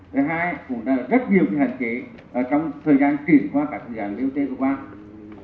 thứ hai cũng đã rất nhiều hạn chế trong thời gian chuyển qua các dự án bot của quán